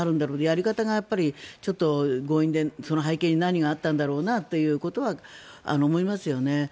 やり方がちょっと強引でその背景に何があったんだろうなということは思いますよね。